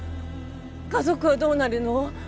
家族はどうなるの？